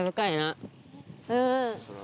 うん。